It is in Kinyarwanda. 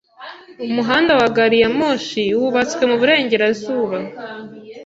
Umuhanda wa gari ya moshi wubatswe mu burengerazuba.